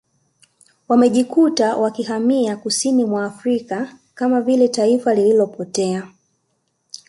Wamejikuta wakihamia kusini mwa Afrika Kama vile taifa lililopotea